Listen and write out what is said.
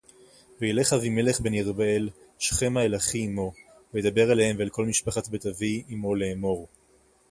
וַיֵּ֨לֶךְ אֲבִימֶ֤לֶךְ בֶּן־יְרֻבַּ֙עַל֙ שְׁכֶ֔מָה אֶל־אֲחֵ֖י אִמּ֑וֹ וַיְדַבֵּ֣ר אֲלֵיהֶ֔ם וְאֶל־כָּל־מִשְׁפַּ֛חַת בֵּית־אֲבִ֥י אִמּ֖וֹ לֵאמֹֽר׃